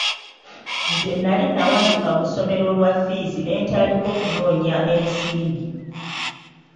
Nze nali nawanduka mu ssomero olwa ffiizi ne ntandika okunoonya ensimbi.